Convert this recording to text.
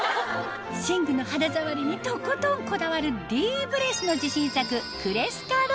寝具の肌触りにとことんこだわるディーブレスの自信作